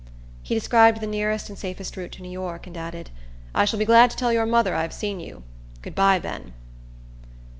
He described the nearest and safest route to New York, and added, "I shall be glad to tell your mother I have seen you. Good by, Ben."